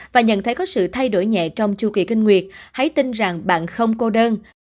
và nhận thấy có sự thay đổi nhẹ trong chu kỳ kinh nguyệt hãy tin rằng bạn không cô đơn